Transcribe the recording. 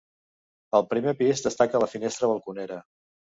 Al primer pis destaca la finestra balconera.